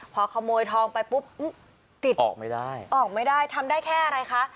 พอขโมยทองไปปุ๊บติดออกไม่ได้ออกไม่ได้ทำได้แค่อะไรคะ